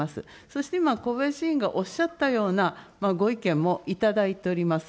そして今、小林委員がおっしゃったようなご意見も頂いております。